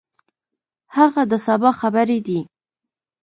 هغه د سبا خبرې دي.